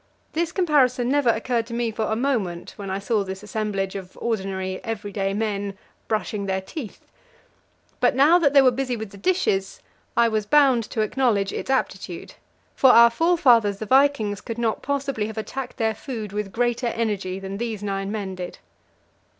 This comparison never occurred to me for a moment when I saw this assemblage of ordinary, everyday men brushing their teeth. But now that they were busy with the dishes, I was bound to acknowledge its aptitude; for our forefathers the vikings could not possibly have attacked their food with greater energy than these nine men did.